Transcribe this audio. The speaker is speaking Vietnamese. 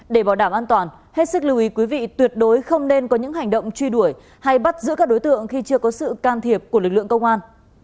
để bảo đảm an toàn hết sức lưu ý quý vị tuyệt đối không nên có những hành động truy đuổi hay bắt giữ các đối tượng khi chưa có sự can thiệp của lực lượng công an